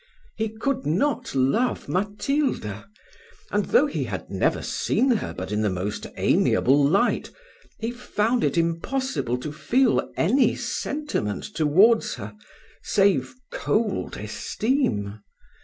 He could not love Matilda; and though he never had seen her but in the most amiable light, he found it impossible to feel any sentiment towards her, save cold esteem.